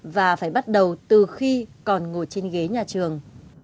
và phải bắt đầu từ khi còn ngồi trên ghế nhà trường